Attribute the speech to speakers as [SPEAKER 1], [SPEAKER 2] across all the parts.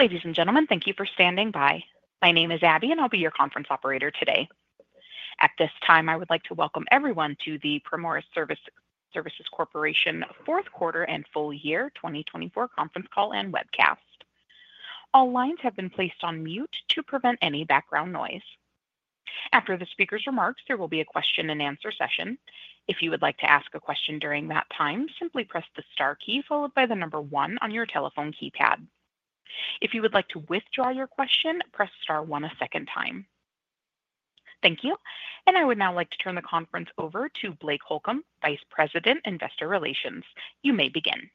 [SPEAKER 1] Ladies and gentlemen, thank you for standing by. My name is Abby, and I'll be your conference operator today. At this time, I would like to welcome everyone to the Primoris Services Corporation Fourth Quarter and Full Year 2024 Conference Call and Webcast. All lines have been placed on mute to prevent any background noise. After the speaker's remarks, there will be a question-and-answer session. If you would like to ask a question during that time, simply press the star key followed by the number one on your telephone keypad. If you would like to withdraw your question, press star one a second time. Thank you, and I would now like to turn the conference over to Blake Holcomb, Vice President, Investor Relations. You may begin.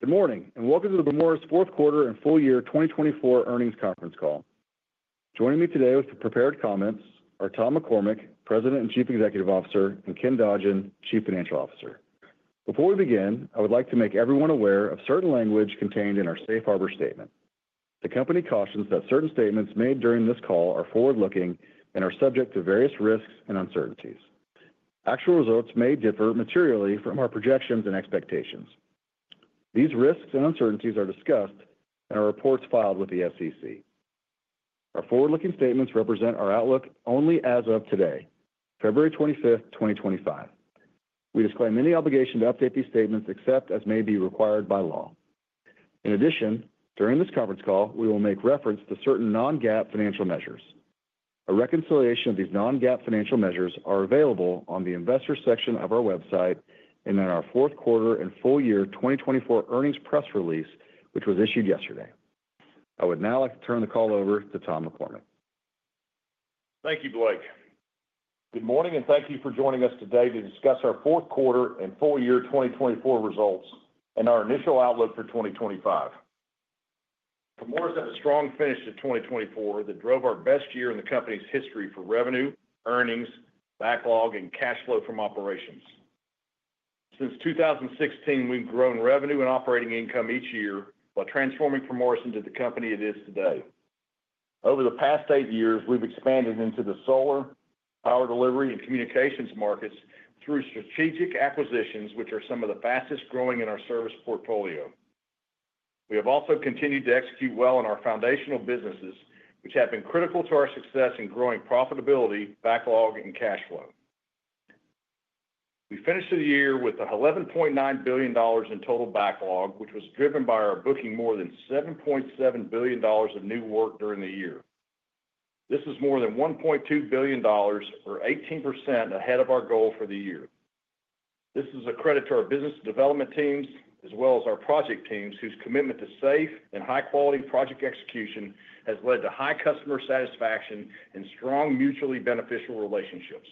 [SPEAKER 2] Good morning, and welcome to the Primoris Fourth Quarter and Full Year 2024 Earnings Conference Call. Joining me today with prepared comments are Tom McCormick, President and Chief Executive Officer, and Ken Dodgen, Chief Financial Officer. Before we begin, I would like to make everyone aware of certain language contained in our Safe Harbor Statement. The company cautions that certain statements made during this call are forward-looking and are subject to various risks and uncertainties. Actual results may differ materially from our projections and expectations. These risks and uncertainties are discussed in our reports filed with the SEC. Our forward-looking statements represent our outlook only as of today, February 25th, 2025. We disclaim any obligation to update these statements except as may be required by law. In addition, during this conference call, we will make reference to certain non-GAAP financial measures. A reconciliation of these non-GAAP financial measures is available on the Investor section of our website and in our fourth quarter and full year 2024 earnings press release, which was issued yesterday. I would now like to turn the call over to Tom McCormick.
[SPEAKER 3] Thank you, Blake. Good morning, and thank you for joining us today to discuss our fourth quarter and full year 2024 results and our initial outlook for 2025. Primoris had a strong finish in 2024 that drove our best year in the company's history for revenue, earnings, backlog, and cash flow from operations. Since 2016, we've grown revenue and operating income each year by transforming Primoris into the company it is today. Over the past eight years, we've expanded into the solar, power delivery, and communications markets through strategic acquisitions, which are some of the fastest growing in our service portfolio. We have also continued to execute well in our foundational businesses, which have been critical to our success in growing profitability, backlog, and cash flow. We finished the year with $11.9 billion in total backlog, which was driven by our booking more than $7.7 billion of new work during the year. This is more than $1.2 billion, or 18% ahead of our goal for the year. This is a credit to our business development teams as well as our project teams, whose commitment to safe and high-quality project execution has led to high customer satisfaction and strong mutually beneficial relationships.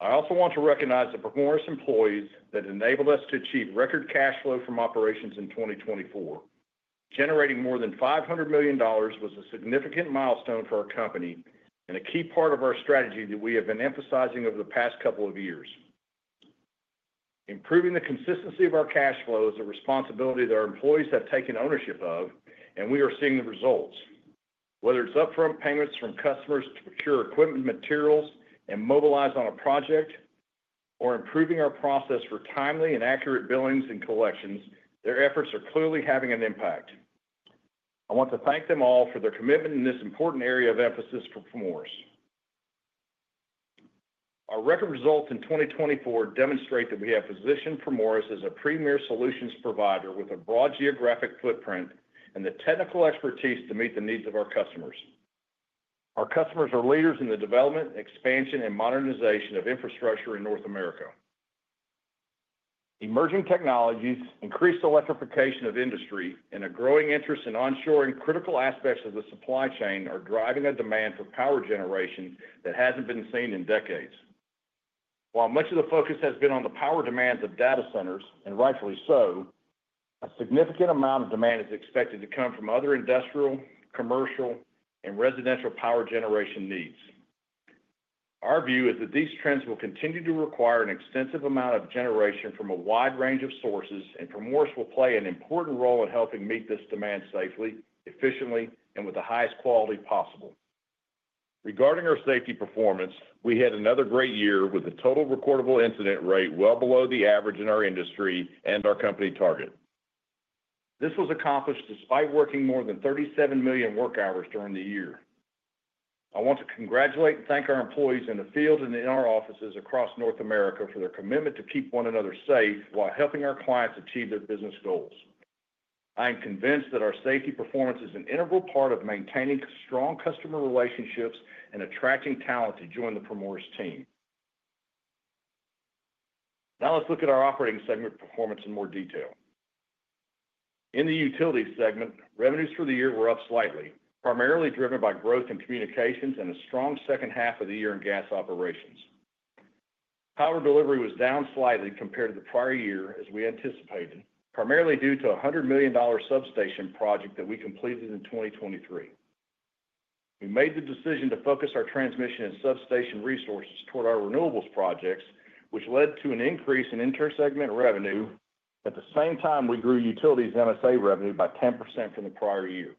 [SPEAKER 3] I also want to recognize the Primoris employees that enabled us to achieve record cash flow from operations in 2024. Generating more than $500 million was a significant milestone for our company and a key part of our strategy that we have been emphasizing over the past couple of years. Improving the consistency of our cash flow is a responsibility that our employees have taken ownership of, and we are seeing the results. Whether it's upfront payments from customers to procure equipment, materials, and mobilize on a project, or improving our process for timely and accurate billings and collections, their efforts are clearly having an impact. I want to thank them all for their commitment in this important area of emphasis for Primoris. Our record results in 2024 demonstrate that we have positioned Primoris as a premier solutions provider with a broad geographic footprint and the technical expertise to meet the needs of our customers. Our customers are leaders in the development, expansion, and modernization of infrastructure in North America. Emerging technologies, increased electrification of industry, and a growing interest in onshoring critical aspects of the supply chain are driving a demand for power generation that hasn't been seen in decades. While much of the focus has been on the power demands of data centers, and rightfully so, a significant amount of demand is expected to come from other industrial, commercial, and residential power generation needs. Our view is that these trends will continue to require an extensive amount of generation from a wide range of sources, and Primoris will play an important role in helping meet this demand safely, efficiently, and with the highest quality possible. Regarding our safety performance, we had another great year with a Total Recordable Incident Rate well below the average in our industry and our company target. This was accomplished despite working more than 37 million work hours during the year. I want to congratulate and thank our employees in the field and in our offices across North America for their commitment to keep one another safe while helping our clients achieve their business goals. I am convinced that our safety performance is an integral part of maintaining strong customer relationships and attracting talent to join the Primoris team. Now let's look at our operating segment performance in more detail. In the utilities segment, revenues for the year were up slightly, primarily driven by growth in communications and a strong second half of the year in gas operations. Power delivery was down slightly compared to the prior year, as we anticipated, primarily due to a $100 million substation project that we completed in 2023. We made the decision to focus our transmission and substation resources toward our renewables projects, which led to an increase in intersegment revenue at the same time we grew utilities MSA revenue by 10% from the prior year.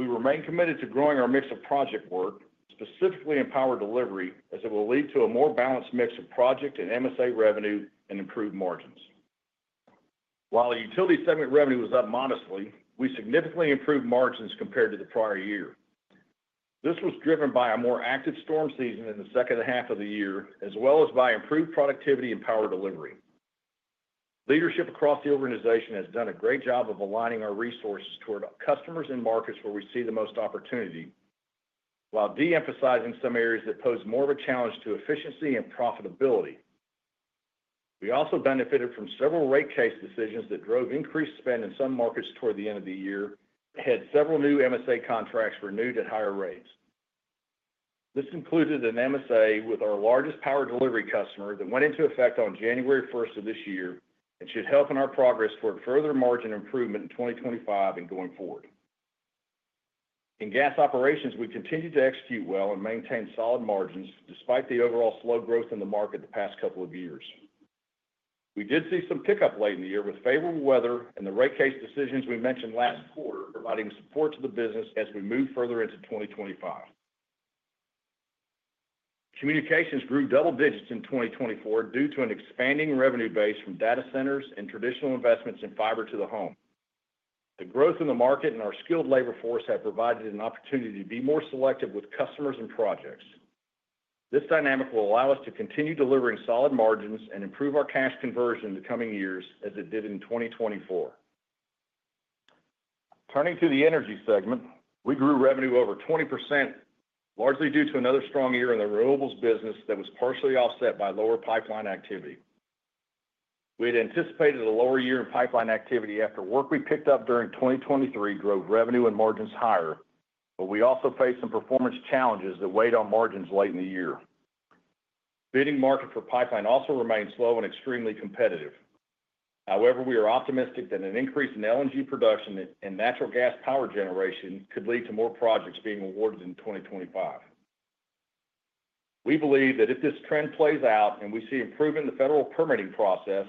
[SPEAKER 3] We remain committed to growing our mix of project work, specifically in power delivery, as it will lead to a more balanced mix of project and MSA revenue and improved margins. While the utility segment revenue was up modestly, we significantly improved margins compared to the prior year. This was driven by a more active storm season in the second half of the year, as well as by improved productivity and power delivery. Leadership across the organization has done a great job of aligning our resources toward customers and markets where we see the most opportunity, while de-emphasizing some areas that pose more of a challenge to efficiency and profitability. We also benefited from several rate case decisions that drove increased spend in some markets toward the end of the year and had several new MSA contracts renewed at higher rates. This included an MSA with our largest power delivery customer that went into effect on January 1st of this year and should help in our progress toward further margin improvement in 2025 and going forward. In gas operations, we continued to execute well and maintain solid margins despite the overall slow growth in the market the past couple of years. We did see some pickup late in the year with favorable weather and the rate case decisions we mentioned last quarter providing support to the business as we move further into 2025. Communications grew double digits in 2024 due to an expanding revenue base from data centers and traditional investments in fiber to the home. The growth in the market and our skilled labor force have provided an opportunity to be more selective with customers and projects. This dynamic will allow us to continue delivering solid margins and improve our cash conversion in the coming years as it did in 2024. Turning to the energy segment, we grew revenue over 20%, largely due to another strong year in the renewables business that was partially offset by lower pipeline activity. We had anticipated a lower year in pipeline activity after work we picked up during 2023 drove revenue and margins higher, but we also faced some performance challenges that weighed on margins late in the year. Bidding market for pipeline also remained slow and extremely competitive. However, we are optimistic that an increase in LNG production and natural gas power generation could lead to more projects being awarded in 2025. We believe that if this trend plays out and we see improvement in the federal permitting process,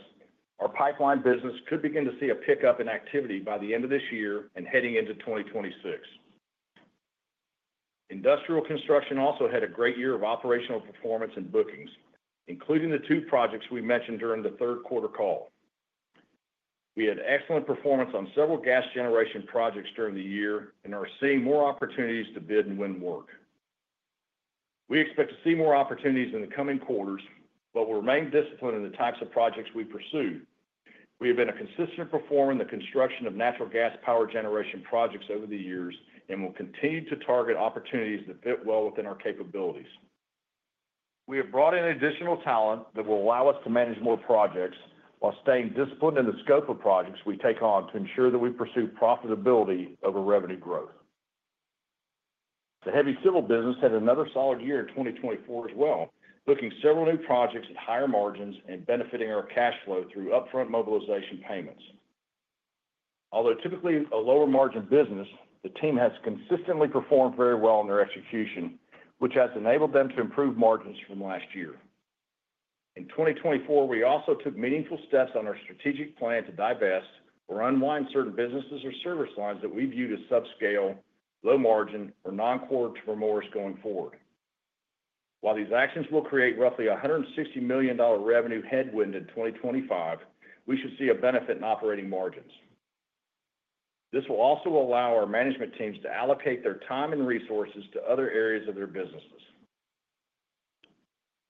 [SPEAKER 3] our pipeline business could begin to see a pickup in activity by the end of this year and heading into 2026. Industrial construction also had a great year of operational performance and bookings, including the two projects we mentioned during the third quarter call. We had excellent performance on several gas generation projects during the year and are seeing more opportunities to bid and win work. We expect to see more opportunities in the coming quarters, but we'll remain disciplined in the types of projects we pursue. We have been a consistent performer in the construction of natural gas power generation projects over the years and will continue to target opportunities that fit well within our capabilities. We have brought in additional talent that will allow us to manage more projects while staying disciplined in the scope of projects we take on to ensure that we pursue profitability over revenue growth. The heavy civil business had another solid year in 2024 as well, booking several new projects at higher margins and benefiting our cash flow through upfront mobilization payments. Although typically a lower margin business, the team has consistently performed very well in their execution, which has enabled them to improve margins from last year. In 2024, we also took meaningful steps on our strategic plan to divest or unwind certain businesses or service lines that we viewed as subscale, low margin, or non-core to Primoris going forward. While these actions will create roughly $160 million revenue headwind in 2025, we should see a benefit in operating margins. This will also allow our management teams to allocate their time and resources to other areas of their businesses.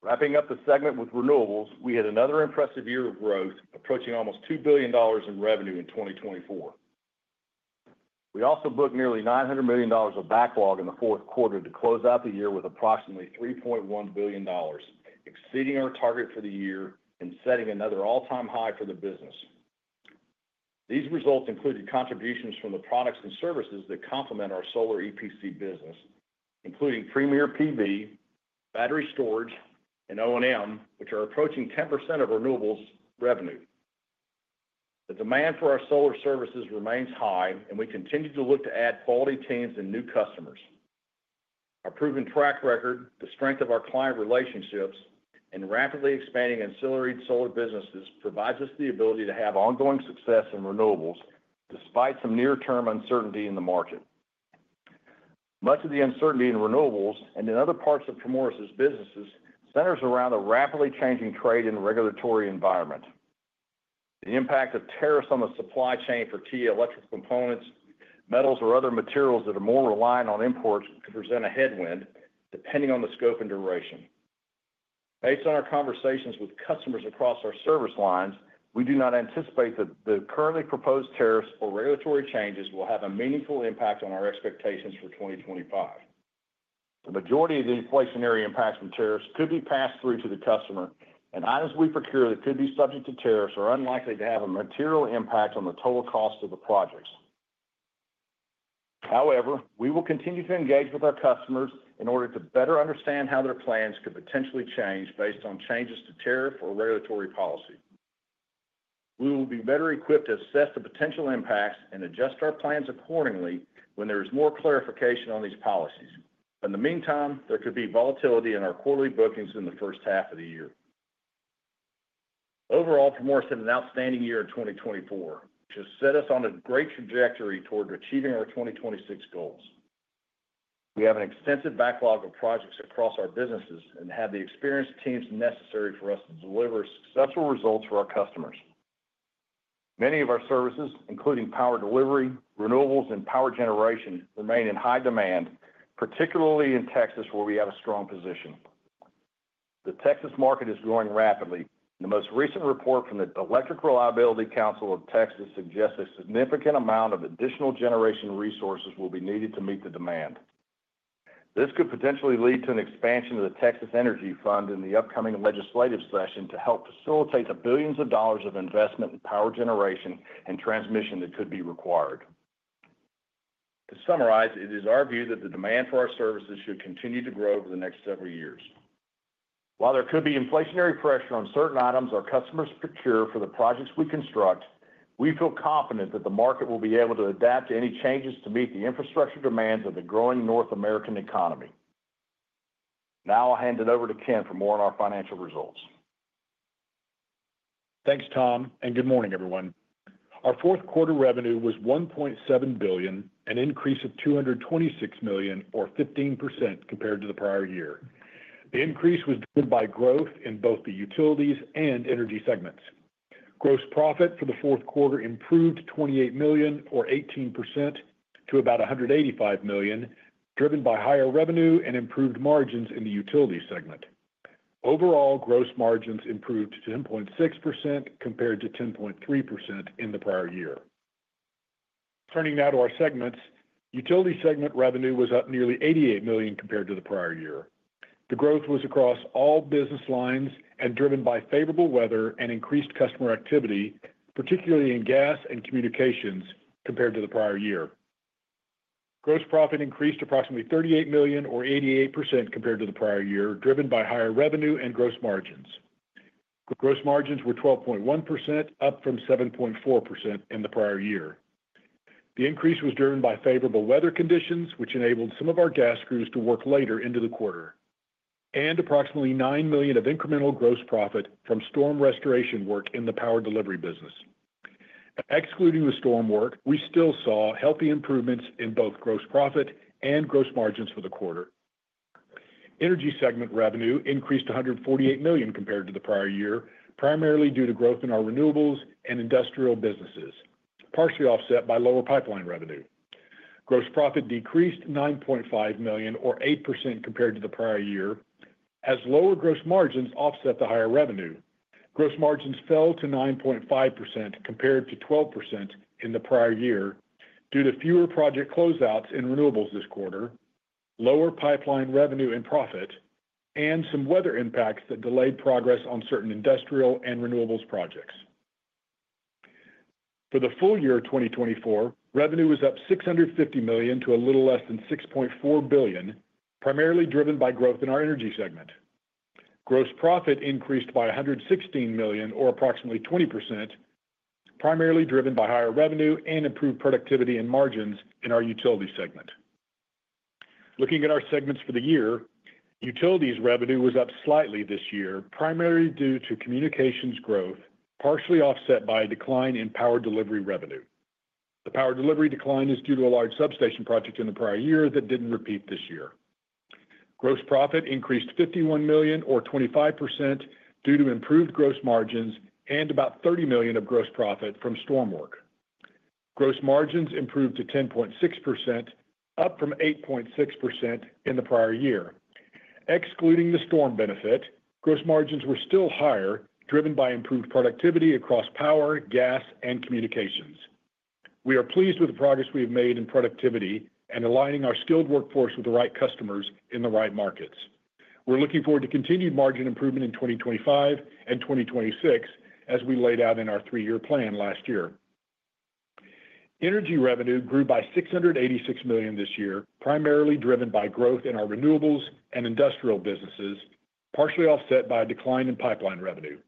[SPEAKER 3] Wrapping up the segment with renewables, we had another impressive year of growth, approaching almost $2 billion in revenue in 2024. We also booked nearly $900 million of backlog in the fourth quarter to close out the year with approximately $3.1 billion, exceeding our target for the year and setting another all-time high for the business. These results included contributions from the products and services that complement our solar EPC business, including Premier PV, battery storage, and O&M, which are approaching 10% of renewables revenue. The demand for our solar services remains high, and we continue to look to add quality teams and new customers. Our proven track record, the strength of our client relationships, and rapidly expanding ancillary solar businesses provide us the ability to have ongoing success in renewables despite some near-term uncertainty in the market. Much of the uncertainty in renewables and in other parts of Primoris' businesses centers around the rapidly changing trade and regulatory environment. The impact of tariffs on the supply chain for key electrical components, metals, or other materials that are more reliant on imports could present a headwind depending on the scope and duration. Based on our conversations with customers across our service lines, we do not anticipate that the currently proposed tariffs or regulatory changes will have a meaningful impact on our expectations for 2025. The majority of the inflationary impacts from tariffs could be passed through to the customer, and items we procure that could be subject to tariffs are unlikely to have a material impact on the total cost of the projects. However, we will continue to engage with our customers in order to better understand how their plans could potentially change based on changes to tariff or regulatory policy. We will be better equipped to assess the potential impacts and adjust our plans accordingly when there is more clarification on these policies. In the meantime, there could be volatility in our quarterly bookings in the first half of the year. Overall, Primoris had an outstanding year in 2024, which has set us on a great trajectory toward achieving our 2026 goals. We have an extensive backlog of projects across our businesses and have the experienced teams necessary for us to deliver successful results for our customers. Many of our services, including power delivery, renewables, and power generation, remain in high demand, particularly in Texas, where we have a strong position. The Texas market is growing rapidly, and the most recent report from the Electric Reliability Council of Texas suggests a significant amount of additional generation resources will be needed to meet the demand. This could potentially lead to an expansion of the Texas Energy Fund in the upcoming legislative session to help facilitate the billions of dollars of investment in power generation and transmission that could be required. To summarize, it is our view that the demand for our services should continue to grow over the next several years. While there could be inflationary pressure on certain items our customers procure for the projects we construct, we feel confident that the market will be able to adapt to any changes to meet the infrastructure demands of the growing North American economy. Now I'll hand it over to Ken for more on our financial results.
[SPEAKER 4] Thanks, Tom, and good morning, everyone. Our fourth quarter revenue was $1.7 billion, an increase of $226 million, or 15% compared to the prior year. The increase was driven by growth in both the utilities and energy segments. Gross profit for the fourth quarter improved $28 million, or 18%, to about $185 million, driven by higher revenue and improved margins in the utility segment. Overall, gross margins improved to 10.6% compared to 10.3% in the prior year. Turning now to our segments, utility segment revenue was up nearly $88 million compared to the prior year. The growth was across all business lines and driven by favorable weather and increased customer activity, particularly in gas and communications, compared to the prior year. Gross profit increased approximately $38 million, or 88%, compared to the prior year, driven by higher revenue and gross margins. Gross margins were 12.1%, up from 7.4% in the prior year. The increase was driven by favorable weather conditions, which enabled some of our gas crews to work later into the quarter, and approximately $9 million of incremental gross profit from storm restoration work in the power delivery business. Excluding the storm work, we still saw healthy improvements in both gross profit and gross margins for the quarter. Energy segment revenue increased $148 million compared to the prior year, primarily due to growth in our renewables and industrial businesses, partially offset by lower pipeline revenue. Gross profit decreased $9.5 million, or 8%, compared to the prior year, as lower gross margins offset the higher revenue. Gross margins fell to 9.5% compared to 12% in the prior year due to fewer project closeouts in renewables this quarter, lower pipeline revenue and profit, and some weather impacts that delayed progress on certain industrial and renewables projects. For the full year of 2024, revenue was up $650 million to a little less than $6.4 billion, primarily driven by growth in our energy segment. Gross profit increased by $116 million, or approximately 20%, primarily driven by higher revenue and improved productivity and margins in our utility segment. Looking at our segments for the year, utilities revenue was up slightly this year, primarily due to communications growth, partially offset by a decline in power delivery revenue. The power delivery decline is due to a large substation project in the prior year that didn't repeat this year. Gross profit increased $51 million, or 25%, due to improved gross margins and about $30 million of gross profit from storm work. Gross margins improved to 10.6%, up from 8.6% in the prior year. Excluding the storm benefit, gross margins were still higher, driven by improved productivity across power, gas, and communications. We are pleased with the progress we have made in productivity and aligning our skilled workforce with the right customers in the right markets. We're looking forward to continued margin improvement in 2025 and 2026, as we laid out in our three-year plan last year. Energy revenue grew by $686 million this year, primarily driven by growth in our renewables and industrial businesses, partially offset by a decline in pipeline revenue.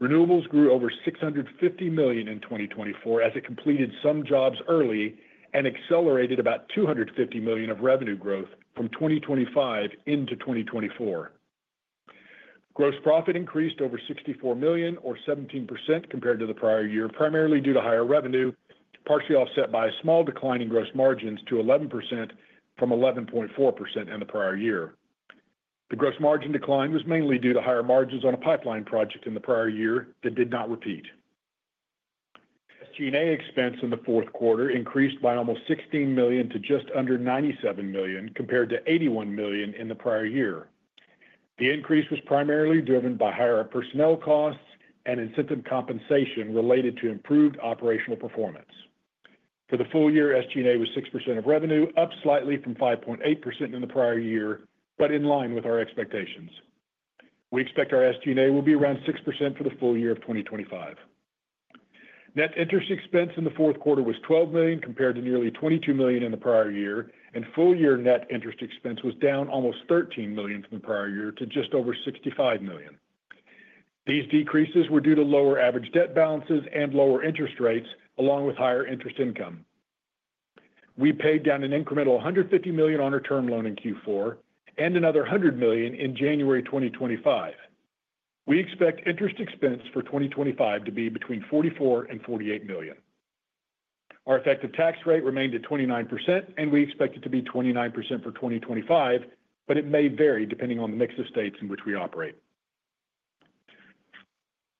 [SPEAKER 4] Renewables grew over $650 million in 2024 as it completed some jobs early and accelerated about $250 million of revenue growth from 2025 into 2024. Gross profit increased over $64 million, or 17%, compared to the prior year, primarily due to higher revenue, partially offset by a small decline in gross margins to 11% from 11.4% in the prior year. The gross margin decline was mainly due to higher margins on a pipeline project in the prior year that did not repeat. SG&A expense in the fourth quarter increased by almost $16 million to just under $97 million, compared to $81 million in the prior year. The increase was primarily driven by higher personnel costs and incentive compensation related to improved operational performance. For the full year, SG&A was 6% of revenue, up slightly from 5.8% in the prior year, but in line with our expectations. We expect our SG&A will be around 6% for the full year of 2025. Net interest expense in the fourth quarter was $12 million, compared to nearly $22 million in the prior year, and full-year net interest expense was down almost $13 million from the prior year to just over $65 million. These decreases were due to lower average debt balances and lower interest rates, along with higher interest income. We paid down an incremental $150 million on our term loan in Q4 and another $100 million in January 2025. We expect interest expense for 2025 to be between $44 and $48 million. Our effective tax rate remained at 29%, and we expect it to be 29% for 2025, but it may vary depending on the mix of states in which we operate.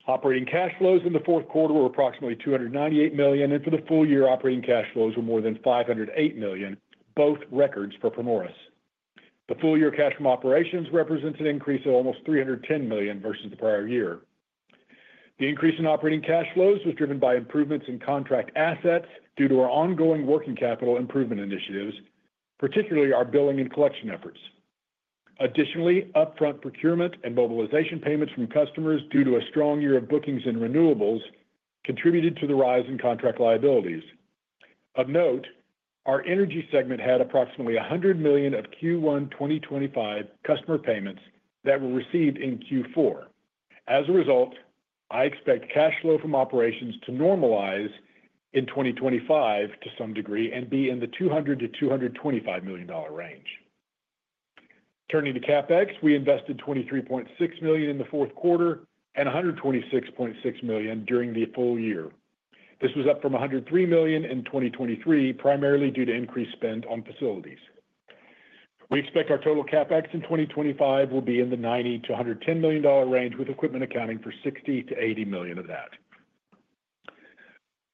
[SPEAKER 4] Operating cash flows in the fourth quarter were approximately $298 million, and for the full year, operating cash flows were more than $508 million, both records for Primoris. The full-year cash from operations represents an increase of almost $310 million versus the prior year. The increase in operating cash flows was driven by improvements in contract assets due to our ongoing working capital improvement initiatives, particularly our billing and collection efforts. Additionally, upfront procurement and mobilization payments from customers due to a strong year of bookings in renewables contributed to the rise in contract liabilities. Of note, our energy segment had approximately $100 million of Q1 2025 customer payments that were received in Q4. As a result, I expect cash flow from operations to normalize in 2025 to some degree and be in the $200- $225 million range. Turning to CapEx, we invested $23.6 million in the fourth quarter and $126.6 million during the full year. This was up from $103 million in 2023, primarily due to increased spend on facilities. We expect our total CapEx in 2025 will be in the $90-$110 million range, with equipment accounting for $60-$80 million of that.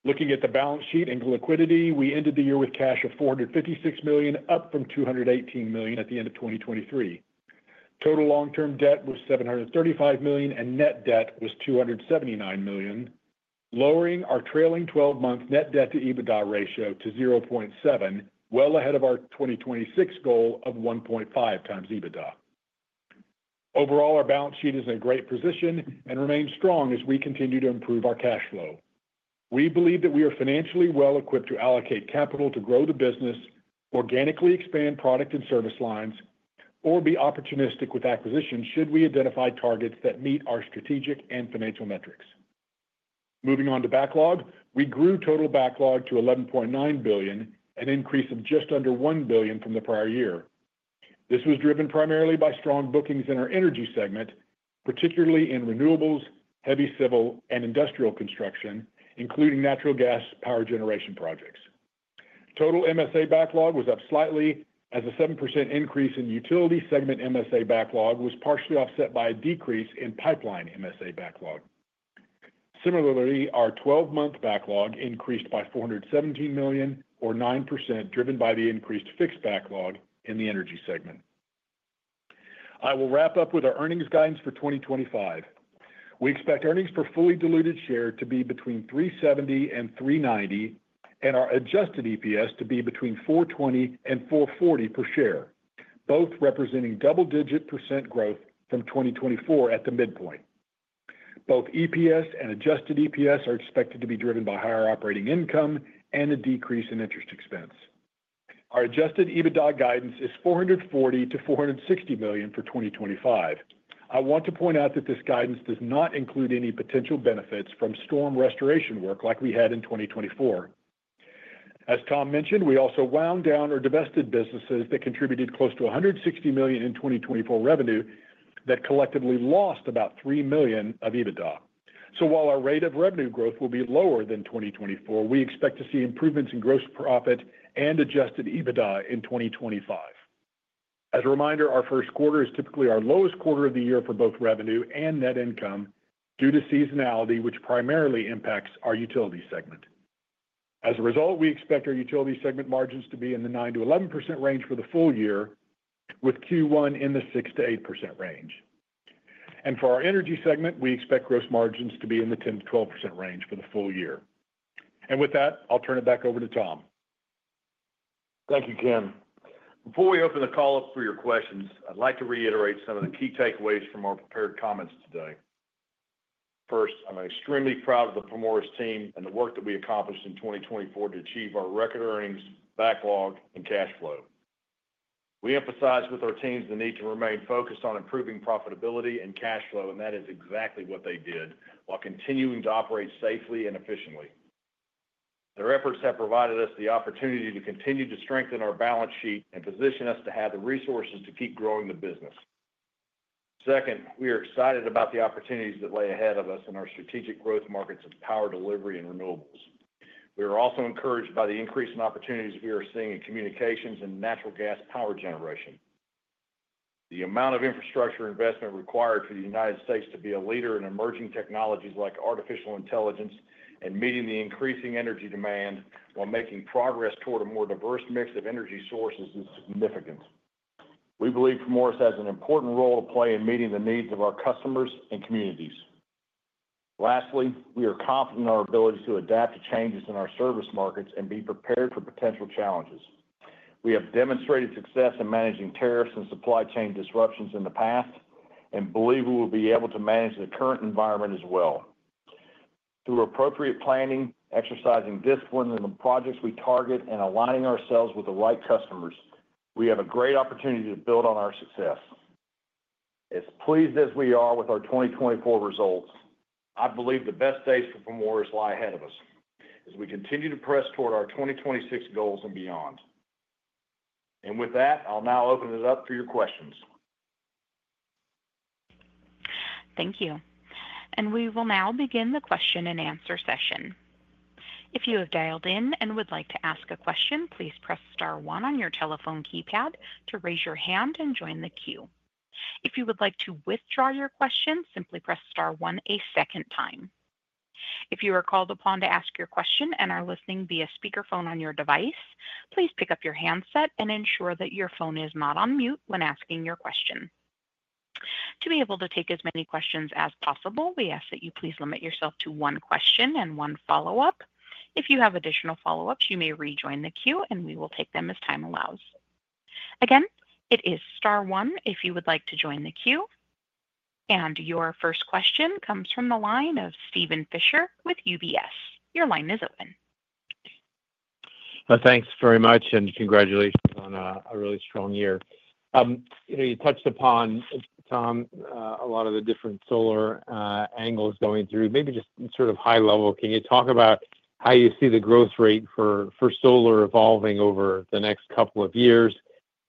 [SPEAKER 4] Looking at the balance sheet and liquidity, we ended the year with cash of $456 million, up from $218 million at the end of 2023. Total long-term debt was $735 million, and net debt was $279 million, lowering our trailing 12-month net debt to EBITDA ratio to 0.7, well ahead of our 2026 goal of 1.5 times EBITDA. Overall, our balance sheet is in a great position and remains strong as we continue to improve our cash flow. We believe that we are financially well equipped to allocate capital to grow the business, organically expand product and service lines, or be opportunistic with acquisitions should we identify targets that meet our strategic and financial metrics. Moving on to backlog, we grew total backlog to $11.9 billion, an increase of just under $1 billion from the prior year. This was driven primarily by strong bookings in our energy segment, particularly in renewables, heavy civil, and industrial construction, including natural gas power generation projects. Total MSA backlog was up slightly, as a 7% increase in utility segment MSA backlog was partially offset by a decrease in pipeline MSA backlog. Similarly, our 12-month backlog increased by $417 million, or 9%, driven by the increased fixed backlog in the energy segment. I will wrap up with our earnings guidance for 2025. We expect earnings per fully diluted share to be between $370 and $390, and our adjusted EPS to be between $420 and $440 per share, both representing double-digit % growth from 2024 at the midpoint. Both EPS and adjusted EPS are expected to be driven by higher operating income and a decrease in interest expense. Our adjusted EBITDA guidance is $440-$460 million for 2025. I want to point out that this guidance does not include any potential benefits from storm restoration work like we had in 2024. As Tom mentioned, we also wound down or divested businesses that contributed close to $160 million in 2024 revenue that collectively lost about $3 million of EBITDA. So while our rate of revenue growth will be lower than 2024, we expect to see improvements in gross profit and adjusted EBITDA in 2025. As a reminder, our first quarter is typically our lowest quarter of the year for both revenue and net income due to seasonality, which primarily impacts our utility segment. As a result, we expect our utility segment margins to be in the 9%-11% range for the full year, with Q1 in the 6%-8% range. And for our energy segment, we expect gross margins to be in the 10%-12% range for the full year. And with that, I'll turn it back over to Tom.
[SPEAKER 3] Thank you, Ken. Before we open the call up for your questions, I'd like to reiterate some of the key takeaways from our prepared comments today. First, I'm extremely proud of the Primoris Team and the work that we accomplished in 2024 to achieve our record earnings, backlog, and cash flow. We emphasized with our teams the need to remain focused on improving profitability and cash flow, and that is exactly what they did while continuing to operate safely and efficiently. Their efforts have provided us the opportunity to continue to strengthen our balance sheet and position us to have the resources to keep growing the business. Second, we are excited about the opportunities that lay ahead of us in our strategic growth markets of power delivery and renewables. We are also encouraged by the increase in opportunities we are seeing in communications and natural gas power generation. The amount of infrastructure investment required for the United States to be a leader in emerging technologies like artificial intelligence and meeting the increasing energy demand while making progress toward a more diverse mix of energy sources is significant. We believe Primoris has an important role to play in meeting the needs of our customers and communities. Lastly, we are confident in our ability to adapt to changes in our service markets and be prepared for potential challenges. We have demonstrated success in managing tariffs and supply chain disruptions in the past and believe we will be able to manage the current environment as well. Through appropriate planning, exercising discipline in the projects we target, and aligning ourselves with the right customers, we have a great opportunity to build on our success. As pleased as we are with our 2024 results, I believe the best days for Primoris lie ahead of us as we continue to press toward our 2026 goals and beyond. And with that, I'll now open it up for your questions.
[SPEAKER 1] Thank you. And we will now begin the question and answer session. If you have dialed in and would like to ask a question, please press star one on your telephone keypad to raise your hand and join the queue. If you would like to withdraw your question, simply press star one a second time. If you are called upon to ask your question and are listening via speakerphone on your device, please pick up your handset and ensure that your phone is not on mute when asking your question. To be able to take as many questions as possible, we ask that you please limit yourself to one question and one follow-up. If you have additional follow-ups, you may rejoin the queue, and we will take them as time allows. Again, it is star one if you would like to join the queue. Your first question comes from the line of Steven Fisher with UBS. Your line is open.
[SPEAKER 5] Thanks very much, and congratulations on a really strong year. You touched upon, Tom, a lot of the different solar angles going through. Maybe just sort of high level, can you talk about how you see the growth rate for solar evolving over the next couple of years?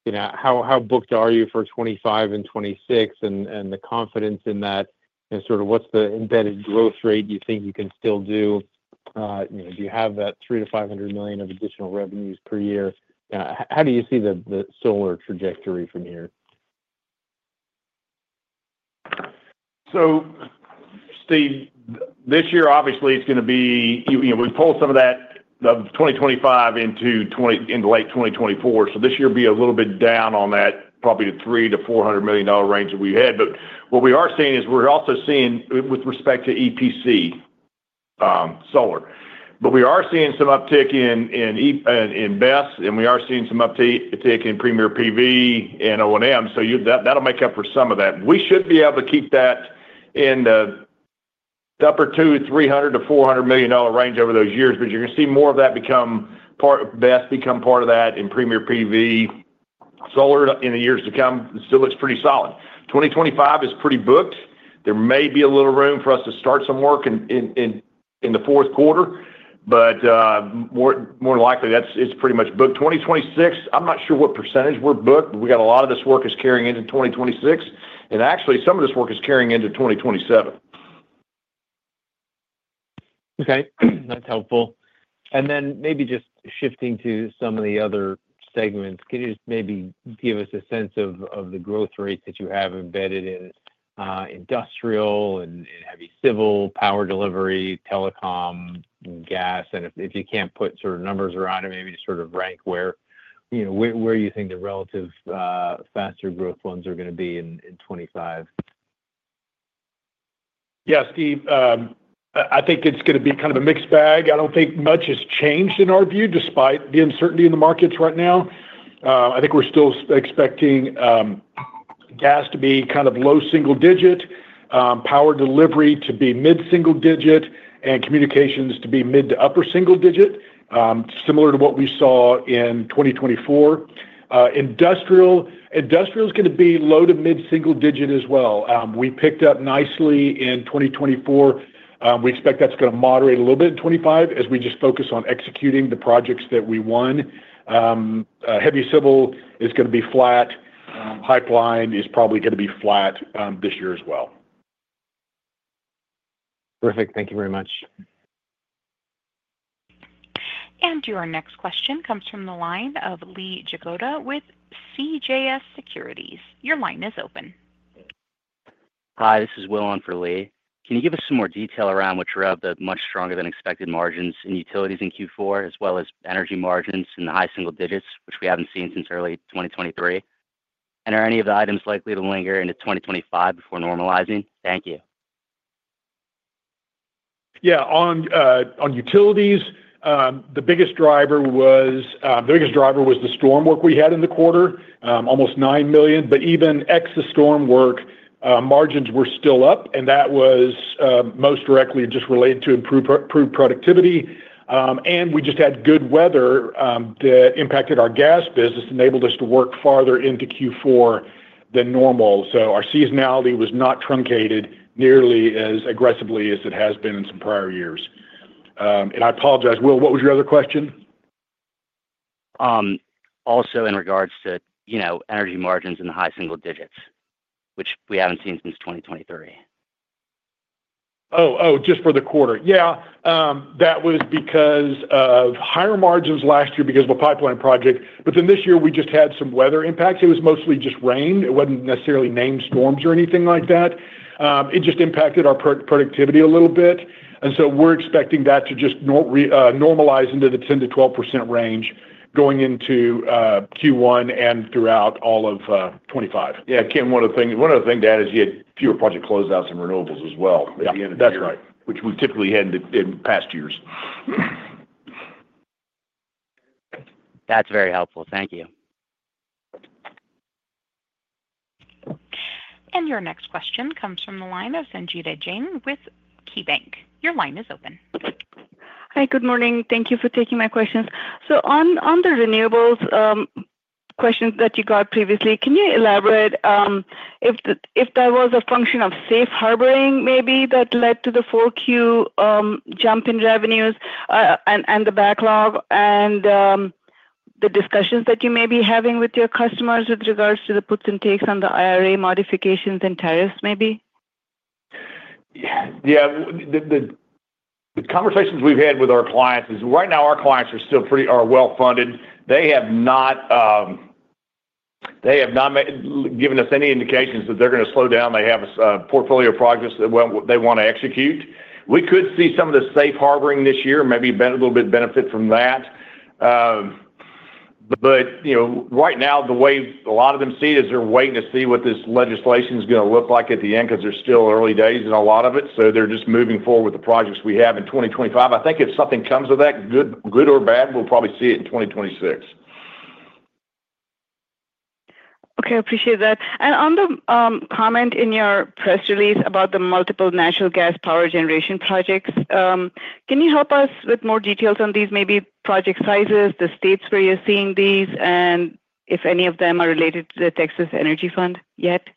[SPEAKER 5] How booked are you for 2025 and 2026, and the confidence in that, and sort of what's the embedded growth rate you think you can still do? Do you have that $300-$500 million of additional revenues per year? How do you see the solar trajectory from here?
[SPEAKER 3] So, Steve, this year, obviously, it's going to be we pulled some of that of 2025 into late 2024. So this year will be a little bit down on that, probably the $300-$400 million dollar range that we had. But what we are seeing is we're also seeing, with respect to EPC solar, but we are seeing some uptick in BESS, and we are seeing some uptick in Premier PV and O&M. So that'll make up for some of that. We should be able to keep that in the upper $200-$300 million to $400 million range over those years, but you're going to see more of that become part of BESS, become part of that in Premier PV. Solar in the years to come still looks pretty solid. 2025 is pretty booked. There may be a little room for us to start some work in the fourth quarter, but more than likely, it's pretty much booked. 2026, I'm not sure what percentage we're booked, but we got a lot of this work is carrying into 2026, and actually, some of this work is carrying into 2027.
[SPEAKER 5] Okay. That's helpful. And then maybe just shifting to some of the other segments, can you just maybe give us a sense of the growth rates that you have embedded in industrial and heavy civil, power delivery, telecom, gas? And if you can't put sort of numbers around it, maybe just sort of rank where you think the relative faster growth ones are going to be in 2025.
[SPEAKER 4] Yeah, Steve, I think it's going to be kind of a mixed bag. I don't think much has changed in our view, despite the uncertainty in the markets right now. I think we're still expecting gas to be kind of low-single-digit, power delivery to be mid-single-digit, and communications to be mid- to upper-single-digit, similar to what we saw in 2024. Industrial is going to be low- to mid-single-digit as well. We picked up nicely in 2024. We expect that's going to moderate a little bit in 2025 as we just focus on executing the projects that we won. Heavy civil is going to be flat. Pipeline is probably going to be flat this year as well.
[SPEAKER 5] Perfect. Thank you very much.
[SPEAKER 1] And your next question comes from the line of Lee Jagoda with CJS Securities. Your line is open.
[SPEAKER 6] Hi, this is Will Owen for Lee. Can you give us some more detail around which areas of the much stronger than expected margins in utilities in Q4, as well as energy margins in the high single digits, which we haven't seen since early 2023? And are any of the items likely to linger into 2025 before normalizing? Thank you.
[SPEAKER 4] Yeah. On utilities, the biggest driver was the storm work we had in the quarter, almost $9 million. But even ex the storm work, margins were still up, and that was most directly just related to improved productivity. And we just had good weather that impacted our gas business, enabled us to work farther into Q4 than normal. So our seasonality was not truncated nearly as aggressively as it has been in some prior years. And I apologize, Will, what was your other question?
[SPEAKER 6] Also in regards to energy margins in the high single digits, which we haven't seen since 2023.
[SPEAKER 4] Oh, oh, just for the quarter. Yeah. That was because of higher margins last year because of a pipeline project. But then this year, we just had some weather impacts. It was mostly just rain. It wasn't necessarily named storms or anything like that. It just impacted our productivity a little bit. And so we're expecting that to just normalize into the 10%-12% range going into Q1 and throughout all of 2025.
[SPEAKER 3] Yeah. Ken, one of the things, Dad, is you had fewer project closeouts and renewables as well at the end of the year, which we typically had in past years.
[SPEAKER 6] That's very helpful. Thank you.
[SPEAKER 1] And your next question comes from the line of Sangita Jain with KeyBanc. Your line is open.
[SPEAKER 7] Hi, good morning. Thank you for taking my questions. So on the renewables question that you got previously, can you elaborate if that was a function of safe harbor maybe that led to the 4Q jump in revenues and the backlog and the discussions that you may be having with your customers with regards to the puts and takes on the IRA modifications and tariffs maybe?
[SPEAKER 3] Yeah. The conversations we've had with our clients is right now, our clients are still pretty well funded. They have not given us any indications that they're going to slow down. They have a portfolio of projects that they want to execute. We could see some of the safe harbor this year, maybe a little bit of benefit from that. Right now, the way a lot of them see it is they're waiting to see what this legislation is going to look like at the end because they're still early days in a lot of it. So they're just moving forward with the projects we have in 2025. I think if something comes of that, good or bad, we'll probably see it in 2026.
[SPEAKER 7] Okay. I appreciate that. And on the comment in your press release about the multiple natural gas power generation projects, can you help us with more details on these maybe project sizes, the states where you're seeing these, and if any of them are related to the Texas Energy Fund yet?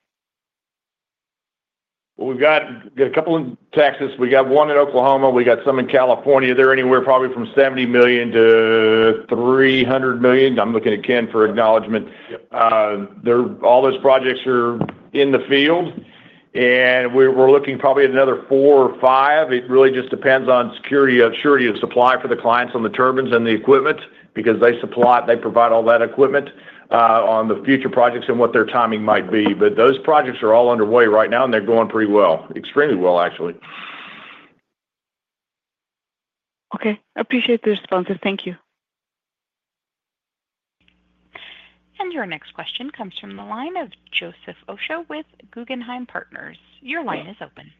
[SPEAKER 3] Well, we've got a couple in Texas. We got one in Oklahoma. We got some in California. They're anywhere probably from $70 million-$300 million. I'm looking at Ken for acknowledgment. All those projects are in the field, and we're looking probably at another four or five. It really just depends on security of supply for the clients on the turbines and the equipment because they provide all that equipment on the future projects and what their timing might be. But those projects are all underway right now, and they're going pretty well, extremely well, actually.
[SPEAKER 7] Okay. I appreciate the responses. Thank you.
[SPEAKER 1] And your next question comes from the line of Joseph Osha with Guggenheim Partners. Your line is open.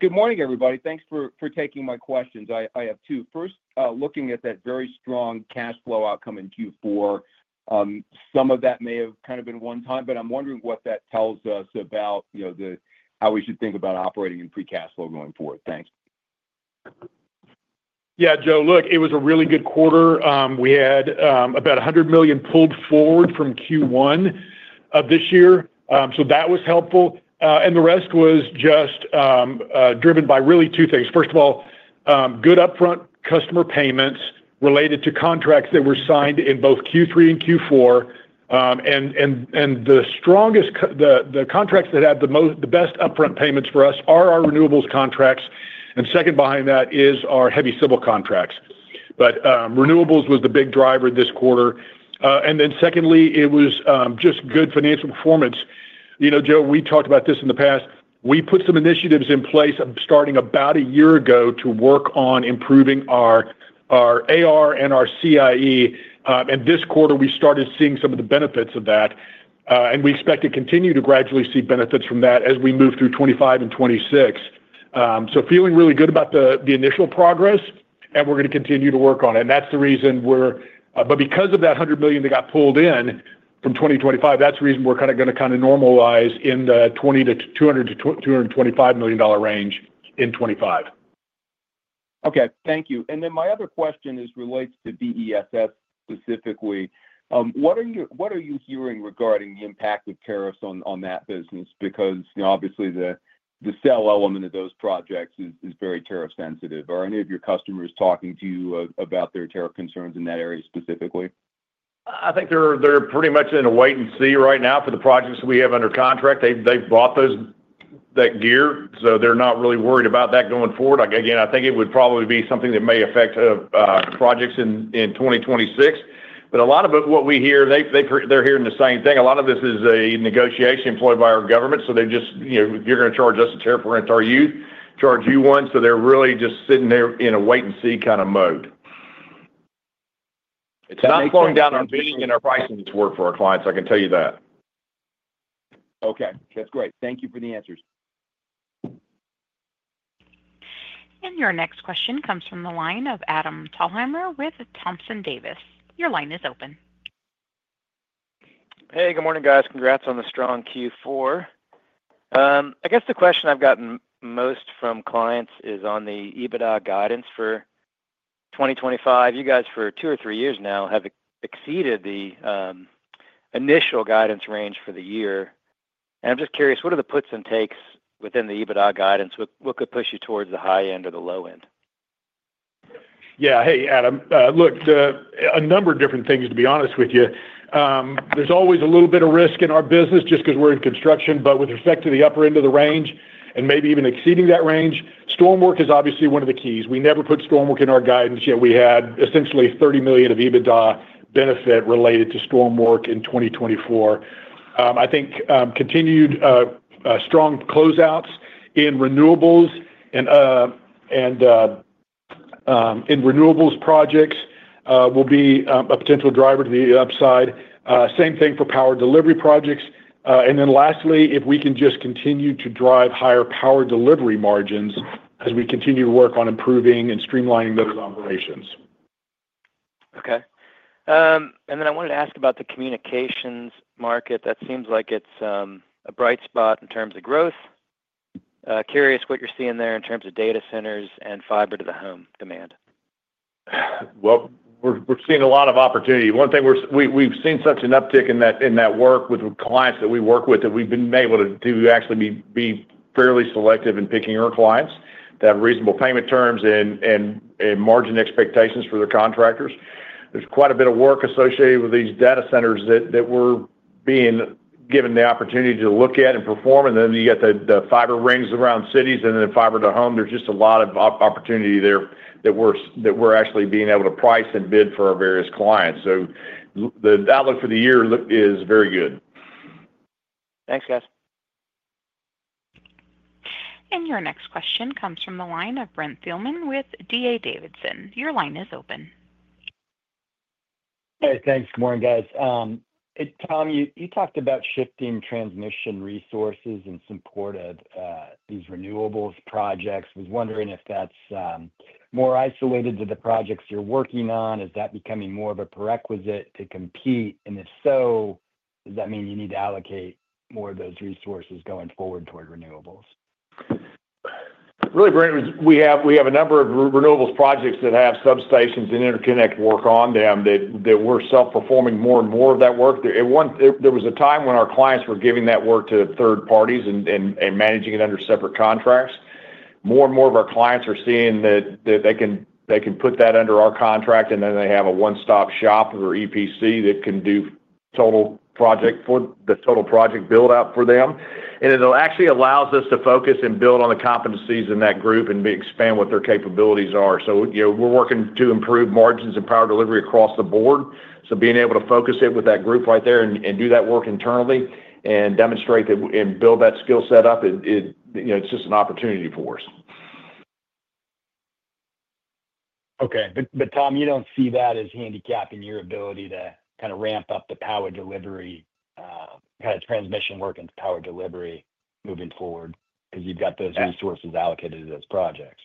[SPEAKER 8] Good morning, everybody. Thanks for taking my questions. I have two. First, looking at that very strong cash flow outcome in Q4, some of that may have kind of been one time, but I'm wondering what that tells us about how we should think about operating free cash flow going forward. Thanks.
[SPEAKER 3] Yeah, Joe, look, it was a really good quarter. We had about $100 million pulled forward from Q1 of this year. So that was helpful. And the rest was just driven by really two things. First of all, good upfront customer payments related to contracts that were signed in both Q3 and Q4. And the contracts that have the best upfront payments for us are our renewables contracts. And second behind that is our heavy civil contracts. But renewables was the big driver this quarter. And then secondly, it was just good financial performance. Joe, we talked about this in the past. We put some initiatives in place starting about a year ago to work on improving our AR and our CIE. And this quarter, we started seeing some of the benefits of that. We expect to continue to gradually see benefits from that as we move through 2025 and 2026. So feeling really good about the initial progress, and we're going to continue to work on it. That's the reason, but because of that $100 million that got pulled in from 2025, that's the reason we're kind of going to kind of normalize in the $200 million-$225 million range in 2025.
[SPEAKER 8] Okay. Thank you. And then my other question relates to BESS specifically. What are you hearing regarding the impact of tariffs on that business? Because obviously, the steel element of those projects is very tariff sensitive. Are any of your customers talking to you about their tariff concerns in that area specifically?
[SPEAKER 3] I think they're pretty much in a wait and see right now for the projects we have under contract. They've bought that gear, so they're not really worried about that going forward. Again, I think it would probably be something that may affect projects in 2026. But a lot of what we hear, they're hearing the same thing. A lot of this is a negotiation employed by our government. So they're just, "You're going to charge us a tariff, right? Or you charge us one." So they're really just sitting there in a wait and see kind of mode. It's not going down on margins and our pricing's working for our clients. I can tell you that.
[SPEAKER 8] Okay. That's great. Thank you for the answers.
[SPEAKER 1] And your next question comes from the line of Adam Thalhimer with Thompson Davis. Your line is open.
[SPEAKER 9] Hey, good morning, guys. Congrats on the strong Q4. I guess the question I've gotten most from clients is on the EBITDA guidance for 2025. You guys, for two or three years now, have exceeded the initial guidance range for the year, and I'm just curious, what are the puts and takes within the EBITDA guidance? What could push you towards the high end or the low end?
[SPEAKER 4] Yeah. Hey, Adam. Look, a number of different things, to be honest with you. There's always a little bit of risk in our business just because we're in construction, but with respect to the upper end of the range and maybe even exceeding that range, storm work is obviously one of the keys. We never put storm work in our guidance yet. We had essentially $30 million of EBITDA benefit related to storm work in 2024. I think continued strong closeouts in renewables and in renewables projects will be a potential driver to the upside. Same thing for power delivery projects. And then lastly, if we can just continue to drive higher power delivery margins as we continue to work on improving and streamlining those operations.
[SPEAKER 9] Okay. And then I wanted to ask about the communications market. That seems like it's a bright spot in terms of growth. Curious what you're seeing there in terms of data centers and fiber to the home demand.
[SPEAKER 3] Well, we're seeing a lot of opportunity. One thing, we've seen such an uptick in that work with clients that we work with that we've been able to actually be fairly selective in picking our clients that have reasonable payment terms and margin expectations for their contractors. There's quite a bit of work associated with these data centers that we're being given the opportunity to look at and perform. And then you got the fiber rings around cities and then fiber to the home. There's just a lot of opportunity there that we're actually being able to price and bid for our various clients. So the outlook for the year is very good.
[SPEAKER 1] Thanks, guys. Your next question comes from the line of Brent Thielman with D.A. Davidson. Your line is open.
[SPEAKER 10] Hey, thanks. Good morning, guys. Tom, you talked about shifting transmission resources in support of these renewables projects. I was wondering if that's more isolated to the projects you're working on. Is that becoming more of a prerequisite to compete? And if so, does that mean you need to allocate more of those resources going forward toward renewables?
[SPEAKER 3] Really, Brent, we have a number of renewables projects that have substations and interconnect work on them that we're self-performing more and more of that work. There was a time when our clients were giving that work to third parties and managing it under separate contracts. More and more of our clients are seeing that they can put that under our contract, and then they have a one-stop shop or EPC that can do the total project build-out for them, and it actually allows us to focus and build on the competencies in that group and expand what their capabilities are, so we're working to improve margins and power delivery across the board, so being able to focus it with that group right there and do that work internally and demonstrate and build that skill set up, it's just an opportunity for us.
[SPEAKER 10] Okay. But Tom, you don't see that as handicapping your ability to kind of ramp up the power delivery, kind of transmission work into power delivery moving forward because you've got those resources allocated to those projects?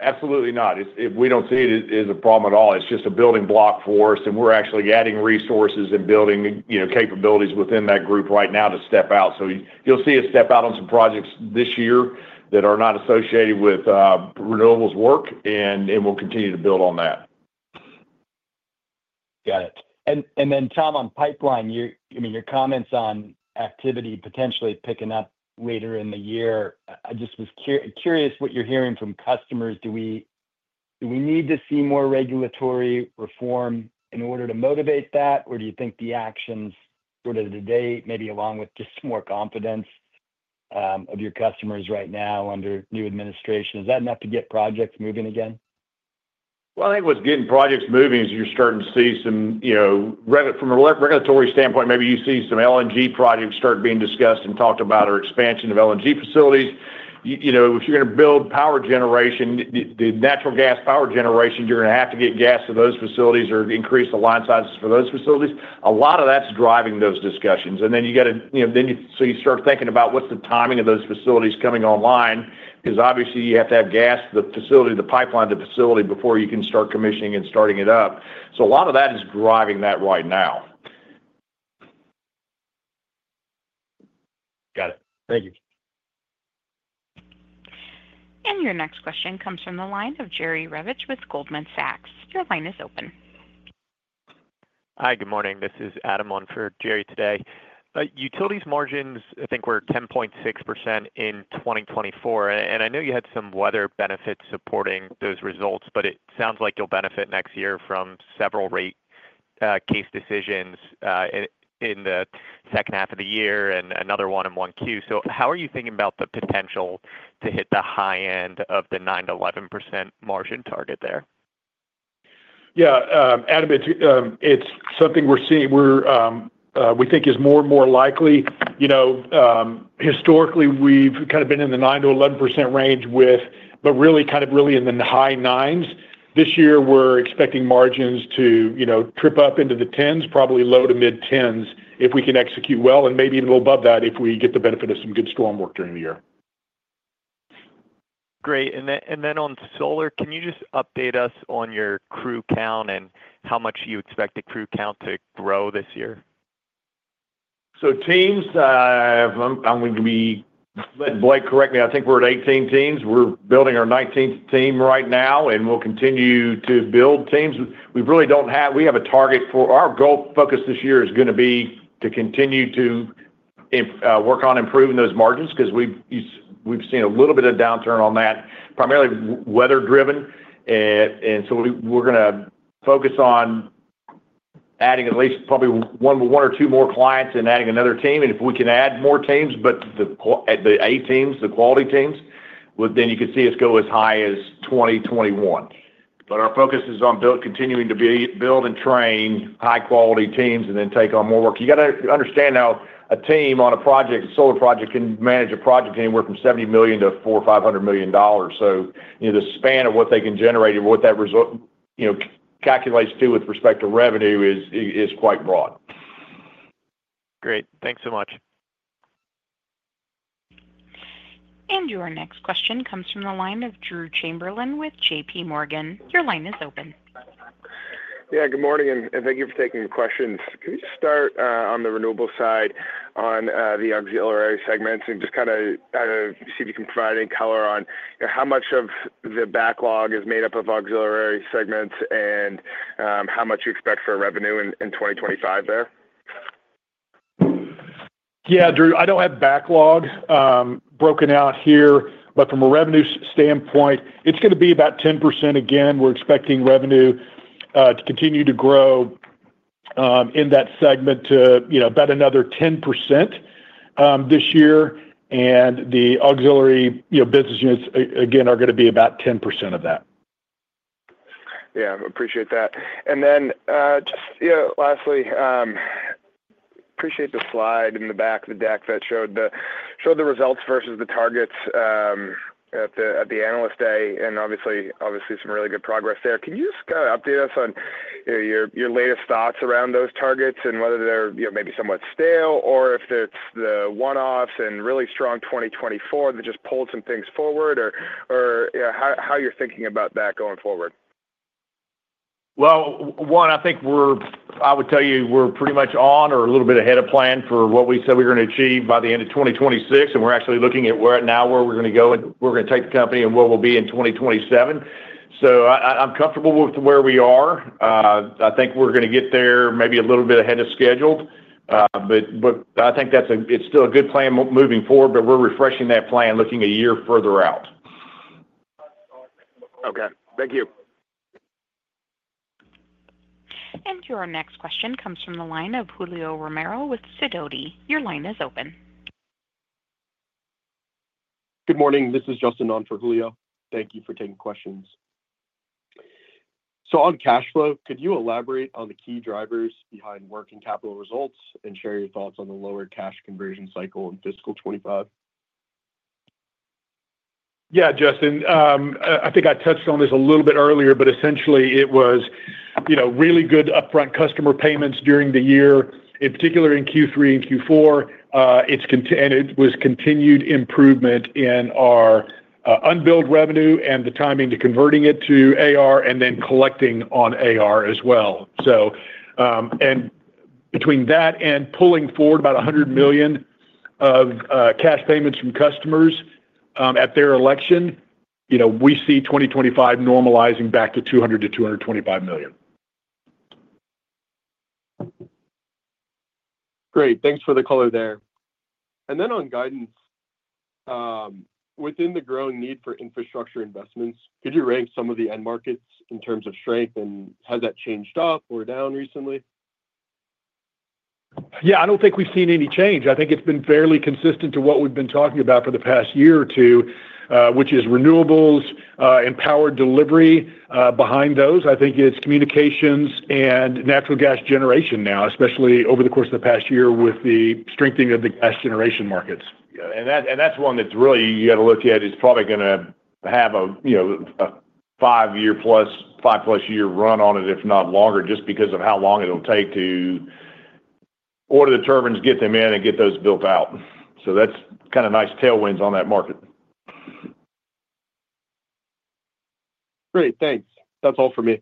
[SPEAKER 11] Absolutely not. We don't see it as a problem at all. It's just a building block for us. And we're actually adding resources and building capabilities within that group right now to step out. So you'll see us step out on some projects this year that are not associated with renewables work, and we'll continue to build on that.
[SPEAKER 10] Got it. And then, Tom, on pipeline, I mean, your comments on activity potentially picking up later in the year, I just was curious what you're hearing from customers. Do we need to see more regulatory reform in order to motivate that, or do you think the actions sort of today, maybe along with just more confidence of your customers right now under new administration, is that enough to get projects moving again?
[SPEAKER 3] Well, I think what's getting projects moving is you're starting to see some from a regulatory standpoint, maybe you see some LNG projects start being discussed and talked about or expansion of LNG facilities. If you're going to build power generation, the natural gas power generation, you're going to have to get gas to those facilities or increase the line sizes for those facilities. A lot of that's driving those discussions. And then you got to start thinking about what's the timing of those facilities coming online because obviously, you have to have gas to the facility, the pipeline to the facility before you can start commissioning and starting it up. So a lot of that is driving that right now.
[SPEAKER 10] Got it. Thank you.
[SPEAKER 1] And your next question comes from the line of Jerry Revich with Goldman Sachs. Your line is open.
[SPEAKER 12] Hi, good morning. This is Adam on for Jerry today. Utilities margins, I think we're 10.6% in 2024. And I know you had some weather benefits supporting those results, but it sounds like you'll benefit next year from several rate case decisions in the second half of the year and another one in Q1. So how are you thinking about the potential to hit the high end of the 9%-11% margin target there?
[SPEAKER 4] Yeah. Adam, it's something we think is more and more likely. Historically, we've kind of been in the 9%-11% range with, but really kind of in the high nines. This year, we're expecting margins to tick up into the tens, probably low to mid-tens if we can execute well, and maybe even a little above that if we get the benefit of some good storm work during the year.
[SPEAKER 12] Great. And then on solar, can you just update us on your crew count and how much you expect the crew count to grow this year?
[SPEAKER 3] So, Tom, I'm going to let Blake correct me. I think we're at 18 teams. We're building our 19th team right now, and we'll continue to build teams. We really don't have. We have a target for our goal. Focus this year is going to be to continue to work on improving those margins because we've seen a little bit of downturn on that, primarily weather-driven, and so we're going to focus on adding at least probably one or two more clients and adding another team. If we can add more teams, but the A teams, the quality teams, then you could see us go as high as 20-21. Our focus is on continuing to build and train high-quality teams and then take on more work. You got to understand how a team on a solar project can manage a project anywhere from $70 million to $400-$500 million. So the span of what they can generate and what that calculates to with respect to revenue is quite broad.
[SPEAKER 12] Great. Thanks so much.
[SPEAKER 1] And your next question comes from the line of Drew Chamberlain with J.P. Morgan. Your line is open.
[SPEAKER 13] Yeah. Good morning, and thank you for taking the questions. Can we just start on the renewable side on the auxiliary segments and just kind of see if you can provide any color on how much of the backlog is made up of auxiliary segments and how much you expect for revenue in 2025 there?
[SPEAKER 3] Yeah, Drew, I don't have backlog broken out here, but from a revenue standpoint, it's going to be about 10%. Again, we're expecting revenue to continue to grow in that segment to about another 10% this year. And the auxiliary business units, again, are going to be about 10% of that.
[SPEAKER 13] Yeah. Appreciate that. And then just lastly, I appreciate the slide in the back of the deck that showed the results versus the targets at the Analyst Day and obviously some really good progress there. Can you just kind of update us on your latest thoughts around those targets and whether they're maybe somewhat stale or if it's the one-offs and really strong 2024 that just pulled some things forward or how you're thinking about that going forward?
[SPEAKER 3] Well, one, I think we're. I would tell you we're pretty much on or a little bit ahead of plan for what we said we were going to achieve by the end of 2026. And we're actually looking at where now where we're going to go and we're going to take the company and where we'll be in 2027. So I'm comfortable with where we are. I think we're going to get there maybe a little bit ahead of schedule, but I think it's still a good plan moving forward, but we're refreshing that plan looking a year further out.
[SPEAKER 13] Okay. Thank you
[SPEAKER 1] and your next question comes from the line of Julio Romero with Sidoti. Your line is open.
[SPEAKER 14] Good morning. This is Justin on for Julio. Thank you for taking questions, so on cash flow, could you elaborate on the key drivers behind working capital results and share your thoughts on the lower cash conversion cycle in fiscal 2025?
[SPEAKER 4] Yeah, Justin. I think I touched on this a little bit earlier, but essentially, it was really good upfront customer payments during the year, in particular in Q3 and Q4, and it was continued improvement in our unbilled revenue and the timing to converting it to AR and then collecting on AR as well. Between that and pulling forward about $100 million of cash payments from customers at their election, we see 2025 normalizing back to $200 million-$225 million.
[SPEAKER 14] Great. Thanks for the color there. Then on guidance, within the growing need for infrastructure investments, could you rank some of the end markets in terms of strength, and has that changed up or down recently?
[SPEAKER 3] Yeah. I don't think we've seen any change. I think it's been fairly consistent to what we've been talking about for the past year or two, which is renewables and power delivery behind those. I think it's communications and natural gas generation now, especially over the course of the past year with the strengthening of the gas generation markets. And that's one that's really you got to look at is probably going to have a five-plus year run on it, if not longer, just because of how long it'll take to order the turbines, get them in, and get those built out. So that's kind of nice tailwinds on that market.
[SPEAKER 14] Great. Thanks. That's all for me.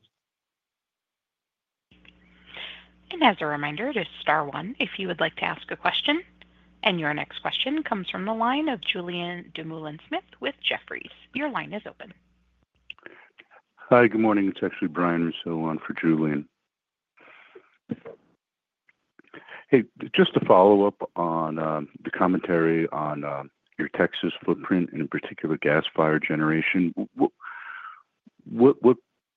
[SPEAKER 1] And as a reminder, press star one if you would like to ask a question. And your next question comes from the line of Julian Dumoulin-Smith with Jefferies. Your line is open.
[SPEAKER 15] Hi, good morning. It's actually Brian still on for Julian. Hey, just to follow up on the commentary on your Texas footprint and in particular gas-fired generation, what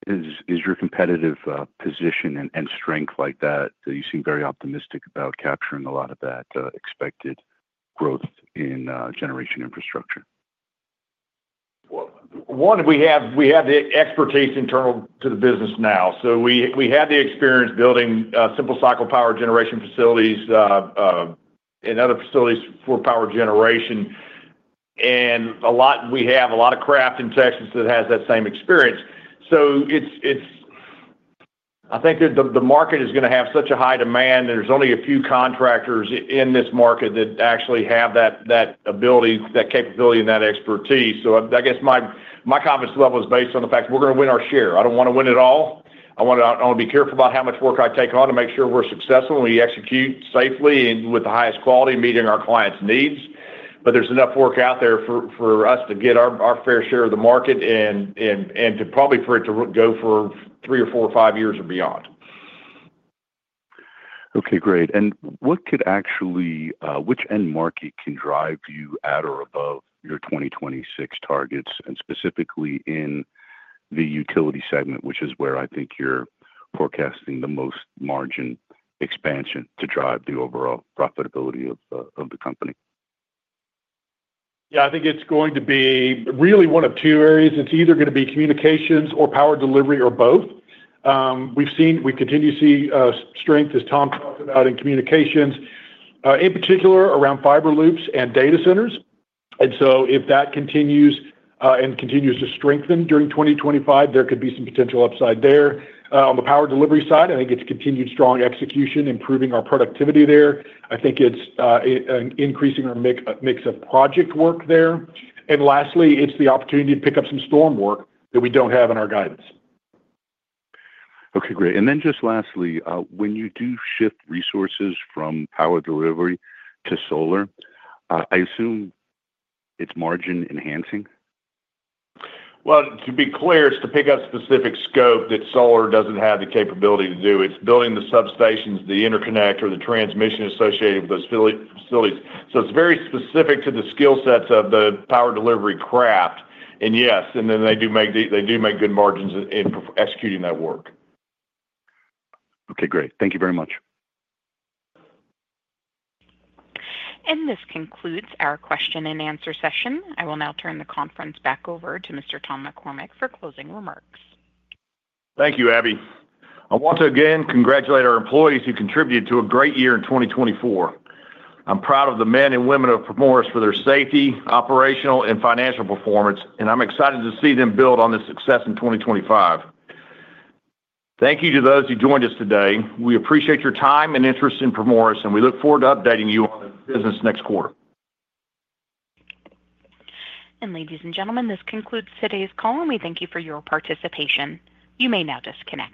[SPEAKER 15] is your competitive position and strength like that? You seem very optimistic about capturing a lot of that expected growth in generation infrastructure.
[SPEAKER 3] One, we have the expertise internal to the business now. So we had the experience building simple cycle power generation facilities and other facilities for power generation. And we have a lot of craft in Texas that has that same experience. So I think the market is going to have such a high demand, and there's only a few contractors in this market that actually have that ability, that capability, and that expertise. So I guess my confidence level is based on the fact that we're going to win our share. I don't want to win it all. I want to be careful about how much work I take on to make sure we're successful and we execute safely and with the highest quality and meeting our clients' needs. But there's enough work out there for us to get our fair share of the market and probably for it to go for three or four or five years or beyond.
[SPEAKER 15] Okay. Great. And what could actually which end market can drive you at or above your 2026 targets and specifically in the utility segment, which is where I think you're forecasting the most margin expansion to drive the overall profitability of the company?
[SPEAKER 4] Yeah. I think it's going to be really one of two areas. It's either going to be communications or power delivery or both. We continue to see strength, as Tom talked about, in communications, in particular around fiber loops and data centers. And so if that continues and continues to strengthen during 2025, there could be some potential upside there. On the power delivery side, I think it's continued strong execution, improving our productivity there. I think it's increasing our mix of project work there. And lastly, it's the opportunity to pick up some storm work that we don't have in our guidance.
[SPEAKER 15] Okay. Great. And then just lastly, when you do shift resources from power delivery to solar, I assume it's margin-enhancing?
[SPEAKER 4] Well, to be clear, it's to pick up specific scope that solar doesn't have the capability to do. It's building the substations, the interconnector, the transmission associated with those facilities. So it's very specific to the skill sets of the power delivery craft. And yes, and then they do make good margins in executing that work.
[SPEAKER 15] Okay. Great. Thank you very much.
[SPEAKER 1] And this concludes our question-and-answer session. I will now turn the conference back over to Mr. Tom McCormick for closing remarks.
[SPEAKER 3] Thank you, Abby. I want to again congratulate our employees who contributed to a great year in 2024. I'm proud of the men and women of Primoris for their safety, operational, and financial performance, and I'm excited to see them build on this success in 2025. Thank you to those who joined us today. We appreciate your time and interest in Primoris, and we look forward to updating you on the business next quarter.
[SPEAKER 1] And ladies and gentlemen, this concludes today's call, and we thank you for your participation. You may now disconnect.